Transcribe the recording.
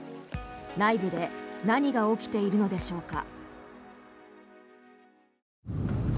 内部で何が起きているのでしょうか。